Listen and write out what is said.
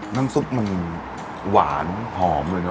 น้ำซุปมันหวานหอมเลยนะ